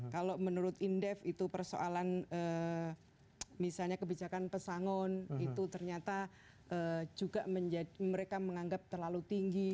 kalau menurut indef itu persoalan misalnya kebijakan pesangon itu ternyata juga mereka menganggap terlalu tinggi